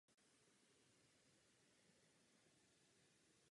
Nedaleko odtud stávalo Staré telavivské centrální autobusové nádraží.